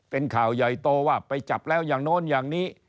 เป็นข่าวใหญ่โตว่าไปจับแล้วอย่างโน้นอย่างนี้